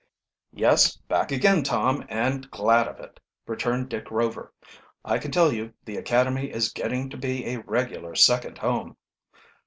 "Yes, back again, Tom, and glad of it," returned Dick Rover. "I can tell you, the academy is getting to be a regular second home."